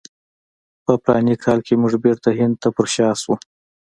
په فلاني کال کې موږ بیرته هند ته پر شا شولو.